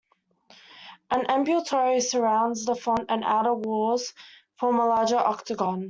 An ambulatory surrounds the font and outer walls form a larger octagon.